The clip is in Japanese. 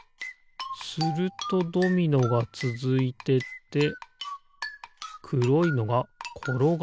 するとドミノがつづいてってくろいのがころがるのかな。